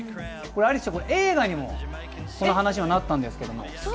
アリスちゃん、映画にもこの話はなったんですけども。